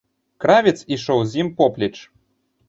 Кравец ішоў з ім поплеч.